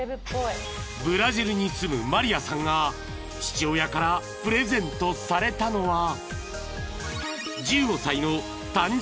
［ブラジルに住むマリアさんが父親からプレゼントされたのは］